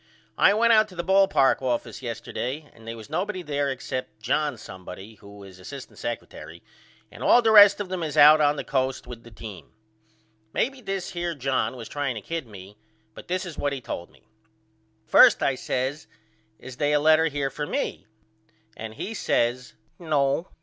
I went out to the ball park office yesterday and they was nobody there except John somebody who is asst secretary and all the rest of them is out on the Coast with the team. Maybe this here John was trying to kid me but this is what he told me. First I says Is they a letter here for me? And he says No.